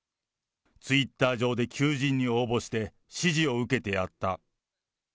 ツイッター上で求人に応募して、指示を受けてやった。